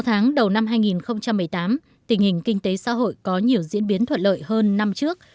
sáu tháng đầu năm hai nghìn một mươi tám tình hình kinh tế xã hội có nhiều diễn biến thuận lợi hơn năm trước